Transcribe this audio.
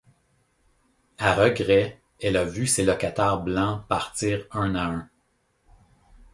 À regret, elle a vu ses locataires blancs partir un à un.